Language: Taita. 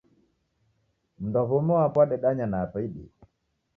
Mundu wa w'omi wapo wadendanya na apa idime.